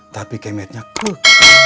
tapi kemetnya kek